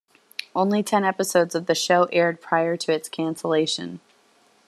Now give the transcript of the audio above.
Only ten episodes of the show aired prior to its cancellation.